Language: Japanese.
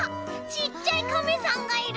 ちっちゃいカメさんがいる！